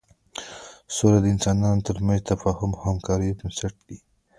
سوله د انسانانو تر منځ د تفاهم او همکاریو بنسټ دی.